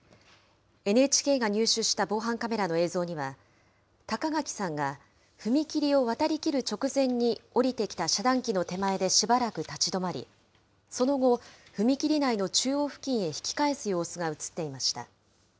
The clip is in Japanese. ＮＨＫが入手した防犯カメラの映像には、高垣さんが踏切を渡りきる直前に、降りてきた遮断機の手前でしばらく立ち止まり、その後、踏切内の中央付近に引き返す様子が写っていました。